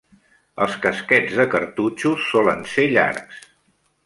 Els casquets de cartutxos solen ser llargs.